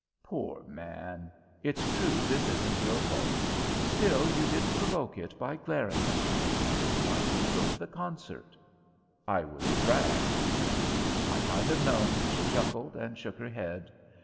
"Poor man! It's true this isn't your fault. Still, you did provoke it by glaring at me. Why did you go to the concert?" "I was dragged." "I might have known!" she chuckled, and shook her head.